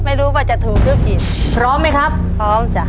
ไม่รู้ว่าจะถูกหรือผิดพร้อมไหมครับพร้อมจ้ะ